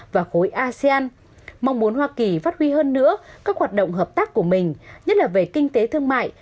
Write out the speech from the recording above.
và khối asean mong muốn hoa kỳ phát huy hơn nữa các hoạt động hợp tác của mình nhất là về kinh tế thương mại